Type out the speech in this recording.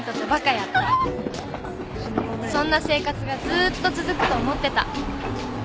そんな生活がずっと続くと思ってた。